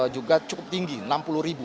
juga cukup tinggi enam puluh ribu